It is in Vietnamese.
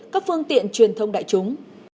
các phương tiện truyền thông đại chúng